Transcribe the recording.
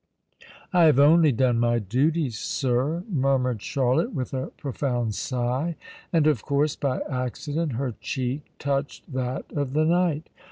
"I have only done my duty, sir," murmured Charlotte, with a profound sigh; and—of course by accident—her cheek touched that of the knight.